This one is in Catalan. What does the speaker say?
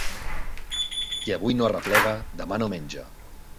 Qui avui no arreplega, demà no menja.